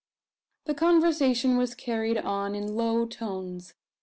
The conversation was carried on in low tones.